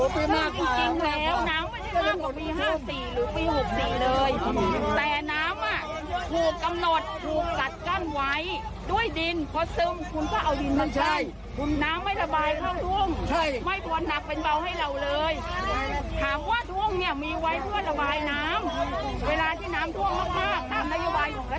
คุณจะรออะไรรอจนพวกเราไม่ไหวแล้ว